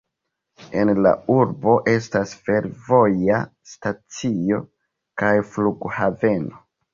En la urbo estas fervoja stacio kaj flughaveno.